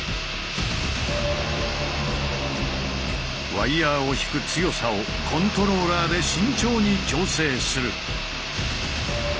ワイヤーを引く強さをコントローラーで慎重に調整する。